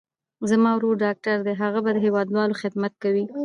زما ورور ډاکټر دي، هغه به د هېوادوالو خدمت کوي.